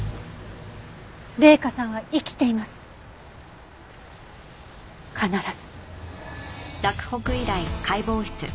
麗華さんは生きています必ず。